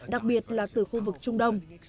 đặc biệt là từ khu vực trung đông